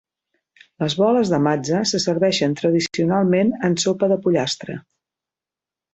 Les boles de "matzah" se serveixen tradicionalment en sopa de pollastre.